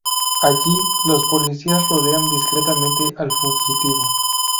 Allí los policías rodean discretamente al fugitivo.